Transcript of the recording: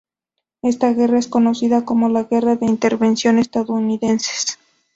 Esta guerra es conocida como la guerra de intervención estadounidense.